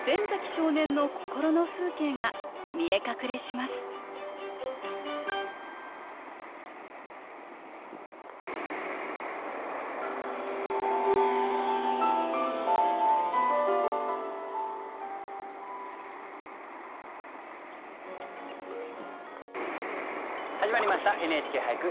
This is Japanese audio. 少年の心の風景が見え隠れします始まりました「ＮＨＫ俳句」。